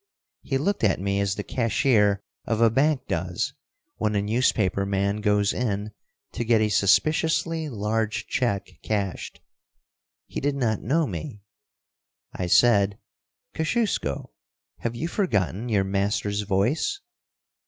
He looked at me as the cashier of a bank does when a newspaper man goes in to get a suspiciously large check cashed. He did not know me. I said, "Kosciusko, have you forgotten your master's voice?"